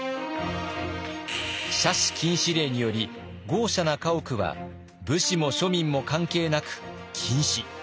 奢侈禁止令により豪奢な家屋は武士も庶民も関係なく禁止。